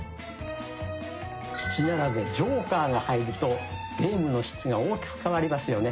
七並べジョーカーが入るとゲームの質が大きく変わりますよね。